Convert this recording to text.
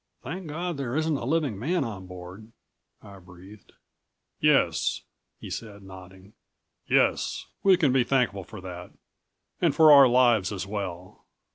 "Thank God there isn't a living man on board," I breathed. "Yes," he said, nodding. "Yes, we can be thankful for that. And for our lives as well.